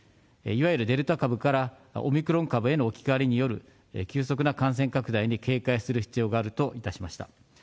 いわゆるデルタ株から、オミクロン株への置き換わりによる急速な感染拡大に警戒する必要があるといたしました。